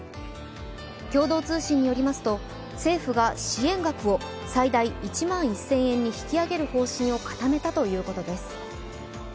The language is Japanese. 共同通信によりますと政府が支援額を最大１万１０００円に引き上げる方針を固めたということです。